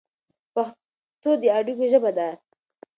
پښتو د اړیکو ژبه ده.